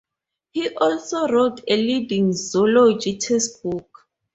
He also wrote a leading Zoology textbook.